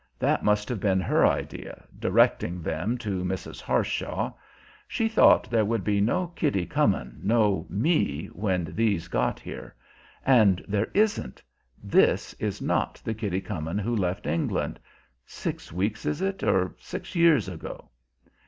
That must have been her idea, directing them to Mrs. Harshaw. She thought there would be no Kitty Comyn, no me, when these got here. And there isn't; this is not the Kitty Comyn who left England six weeks, is it? or six years ago!"